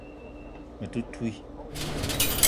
Me te ntouii